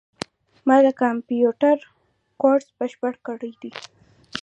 ما د کامپیوټر کورس بشپړ کړی ده